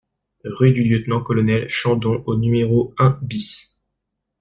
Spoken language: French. Rue du Lieutenant-Colonel Chandon au numéro un BIS